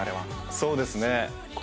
そうですね。